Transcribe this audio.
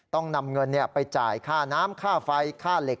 ต้องนำเงินไปจ่ายค่าน้ำค่าไฟค่าเหล็ก